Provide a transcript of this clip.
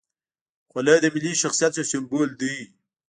خولۍ د ملي شخصیت یو سمبول دی.